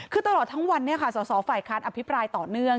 คือตลอดทั้งวันเนี่ยค่ะสาวฝ่ายคาดอภิปรายต่อเนื่อง